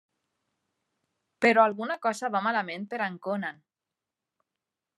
Però alguna cosa va malament per a en Conan.